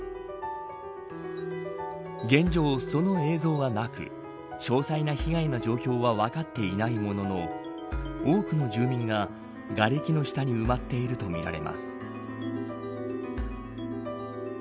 現状、その映像はなく詳細な被害の状況は分かっていないものの多くの住民ががれきの下に埋まっているとみられます。